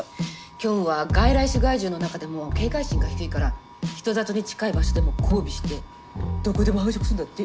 キョンは外来種害獣の中でも警戒心が低いから人里に近い場所でも交尾してどこでも繁殖するんだって。